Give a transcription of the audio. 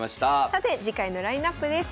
さて次回のラインナップです。